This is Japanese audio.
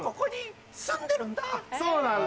そうなんだ